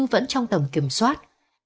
vẫn trong tầm kiểm soát